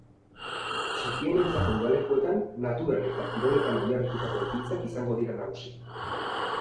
Txikienentzako udalekuetan naturan eta kiroletan oinarritutako ekintzak izango dira nagusi.